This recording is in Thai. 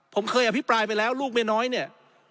ผมเคยอภิปรายไปแล้วลูกเมียน้อยเนี่ย